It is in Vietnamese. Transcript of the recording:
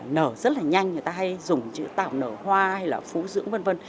nở rất là nhanh người ta hay dùng chữ tạo nở hoa hay là phú dưỡng v v